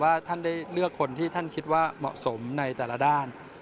ท่านได้เลือกคนที่ท่านคิดว่าเหมาะสมในแต่ละด้าน